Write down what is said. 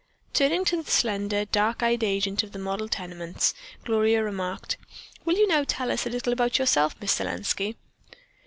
Turning to the slender, dark eyed agent of the model tenements, Gloria remarked: "Will you now tell us a little about yourself, Miss Selenski?"